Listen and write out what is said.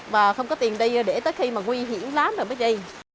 và không có tiền đi để tới khi mà nguy hiểm lắm rồi mới đi